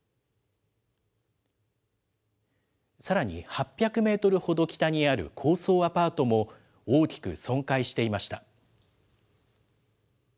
さらに８００メートルほど北にある高層アパートも、大きく損壊していました。